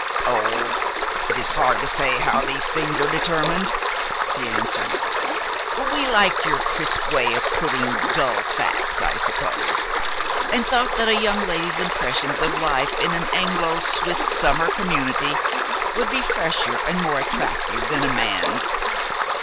"Oh, it is hard to say how these things are determined," he answered. "We liked your crisp way of putting dull facts, I suppose, and thought that a young lady's impressions of life in an Anglo Swiss summer community would be fresher and more attractive than a man's.